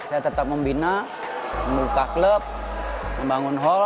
saya tetap membina membuka klub membangun hall